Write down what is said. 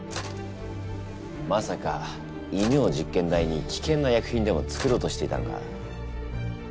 まさか犬を実験台にきけんな薬品でも作ろうとしていたのか？